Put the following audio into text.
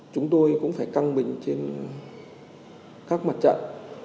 chúng tôi cũng phải căng mình trên các mặt trận